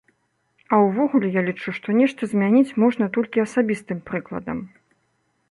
А ўвогуле я лічу, што нешта змяніць можна толькі асабістым прыкладам.